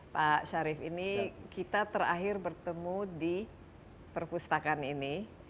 pak syarif ini kita terakhir bertemu di perpustakaan ini